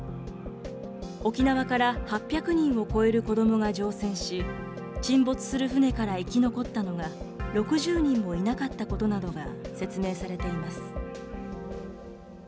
沖縄から８００人を超える子どもが乗船し、沈没する船から生き残ったのが６０人もいなかったことなどが説明されています。